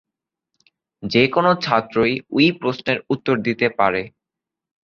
যে কোনো ছাত্রই ওই প্রশ্নের উত্তর দিতে পারে।